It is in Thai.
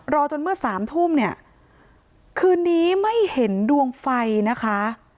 รอจนเมื่อ๓ทุ่มคืนนี้ไม่เห็นดวงไฟนะคะ